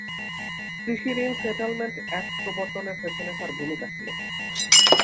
কৃষি ঋণ settlement act প্রবর্তনের পেছনে তাঁর ভূমিকা ছিল।